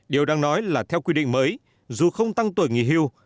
điều đang nói là theo quy định mới dù không tăng tuổi nghỉ hưu